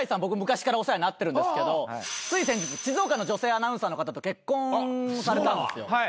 僕昔からお世話になってるんですけどつい先日静岡の女性アナウンサーの方と結婚されたんですよ。